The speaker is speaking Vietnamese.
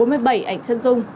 bốn mươi bảy ảnh chân dung